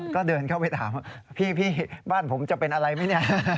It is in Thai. ก็เดินเข้าไปถามพี่บ้านผมจะเป็นอะไรไหม